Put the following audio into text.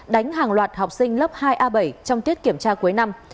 đánh hàng loạt học sinh lớp hai a bảy trong tiết kiểm tra cuối năm